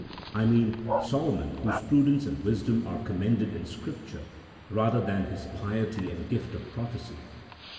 I mean Solo mon, whose prudence and wisdom are commended in Scrip ture rather than his piety and gift of prophecy.